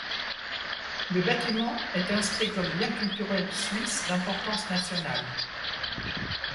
Le bâtiment, est inscrit comme bien culturel suisse d'importance nationale.